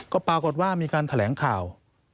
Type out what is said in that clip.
ก็ปรากฏว่ามีการแถลงข่าว